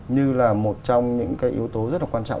như là một trong những yếu tố rất quan trọng